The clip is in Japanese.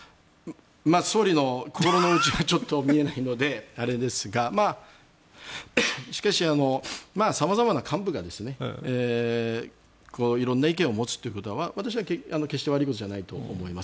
総理の心の内はちょっと見えないのであれですがしかし様々な幹部が色んな意見を持つということは私は決して悪いことじゃないと思います。